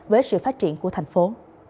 với sự phát triển của thành phố